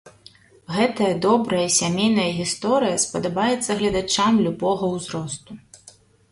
Гэтая добрая сямейная гісторыя спадабаецца гледачам любога ўзросту!